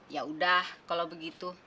ya udah kalau begitu